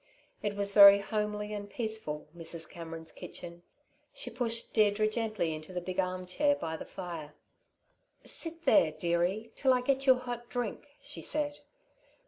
It was very homely and peaceful, Mrs. Cameron's kitchen. She pushed Deirdre gently into the big arm chair by the fire. "Sit there, dearie, till I get you a hot drink," she said.